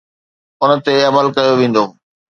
ان تي عمل ڪيو ويندو.